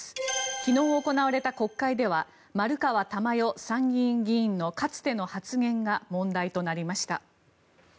昨日行われた国会では丸川珠代参議院議員のかつての発言が問題となりました。